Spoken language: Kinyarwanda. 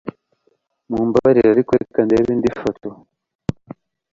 Mumbabarire, ariko reka ndebe indi foto.